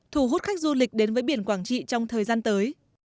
thu hút khách du lịch đến với biển quảng trị trong thời gian tới